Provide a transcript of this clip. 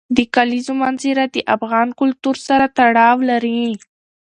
د کلیزو منظره د افغان کلتور سره تړاو لري.